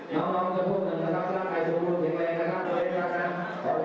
น้องน้องจะพูดหนึ่งนะครับร่างกายสูงรุ่นเสียงแรงนะครับ